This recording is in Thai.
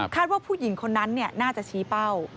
ว่าผู้หญิงคนนั้นน่าจะชี้เป้า